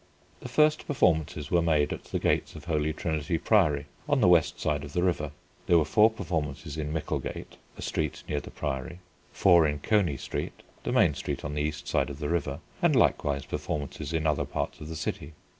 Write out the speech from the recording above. The first performances were made at the gates of Holy Trinity Priory (on the west side of the river); there were four performances in Micklegate (a street near the Priory); four in Coney Street (the main street on the east side of the river) and likewise performances in other parts of the city.